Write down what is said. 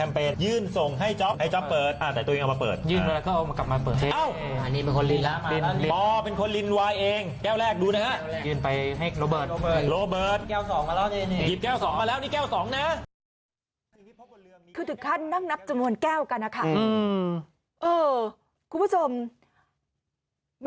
ครื่นที่ทุกคัทนั่งนับจำวนแก้วกันนะคะอืมเอ่อคุณผู้ชม